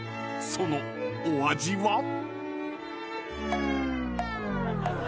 ［そのお味は？］